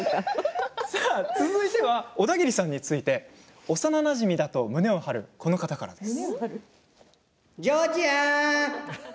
続いてはオダギリさんについて幼なじみだと胸を張るこの方からです。